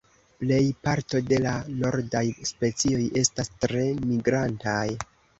Plej parto de la nordaj specioj estas tre migrantaj.